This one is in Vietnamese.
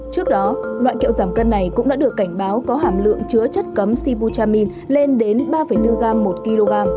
trước đó loại kẹo giảm cân này cũng đã được cảnh báo có hàm lượng chứa chất cấm sibu chamin lên đến ba bốn gram một kg